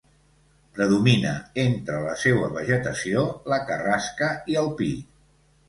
Predomina entre la seua vegetació la carrasca i el pi.